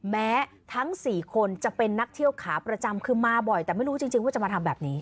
แม้ทั้ง๔คนจะเป็นนักเที่ยวขาประจำคือมาบ่อยแต่ไม่รู้จริงว่าจะมาทำแบบนี้